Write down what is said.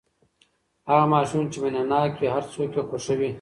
هغه ماشوم چې مینه ناک وي، هر څوک یې خوښوي.